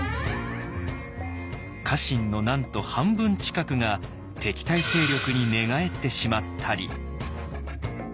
家臣のなんと半分近くが敵対勢力に寝返ってしまったり。